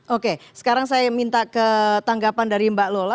oke sekarang saya minta ke tanggapan dari mbak lola